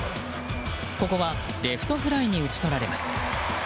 ここはレフトフライに打ち取られます。